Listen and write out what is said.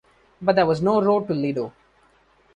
But there was no road to Ledo.